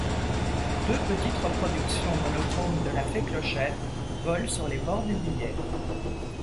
Deux petites reproductions monochromes de la Fée Clochette volent sur les bords du billet.